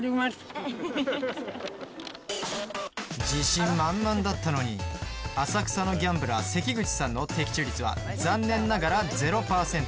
自信満々だったのに浅草のギャンブラー関口さんの的中率は残念ながら０％。